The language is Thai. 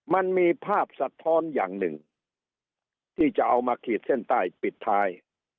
มันมีภาพสะท้อนอย่างหนึ่งที่จะเอามาขีดเส้นใต้ปิดท้าย